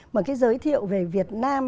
mà cái giới thiệu về việt nam